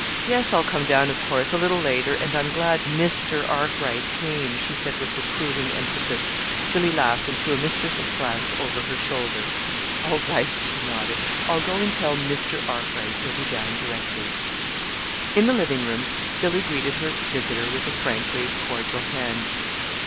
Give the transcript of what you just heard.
"Yes, I'll come down, of course, a little later, and I'm glad Mr. Arkwright came," she said with reproving emphasis. Billy laughed and threw a mischievous glance over her shoulder. "All right," she nodded. "I'll go and tell Mr. Arkwright you'll be down directly." In the living room Billy greeted her visitor with a frankly cordial hand.